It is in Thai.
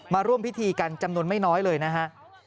มาร่วมพิธีกันจำนวนไม่น้อยเลยนะฮะ